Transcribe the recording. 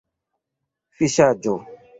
fiŝaĵo